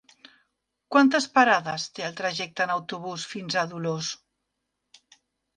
Quantes parades té el trajecte en autobús fins a Dolors?